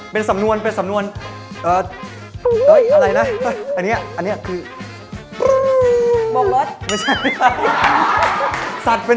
เป็นสำนวนปุ้งอะไรนะอันนี้คือปุ้งโบกรสไม่ใช่